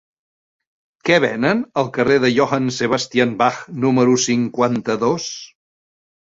Què venen al carrer de Johann Sebastian Bach número cinquanta-dos?